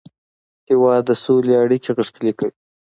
هېواد د سولې اړیکې غښتلې کوي.